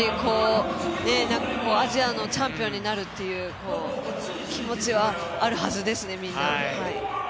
アジアのチャンピオンになるという気持ちはあるはずです。